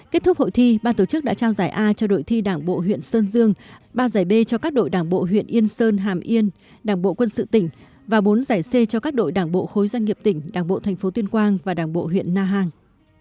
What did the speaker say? kết thúc hội thi ba tổ chức đã trao giải a cho đội thi đảng bộ huyện sơn dương ba giải b cho các đội đảng bộ huyện yên sơn hàm yên đảng bộ quân sự tỉnh và bốn giải c cho các đội đảng bộ khối doanh nghiệp tỉnh đảng bộ thành phố tuyên quang và đảng bộ huyện na hàng